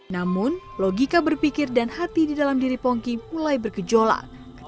namun logika berpikir dan hati di dalam diri pongki mulai bergejolak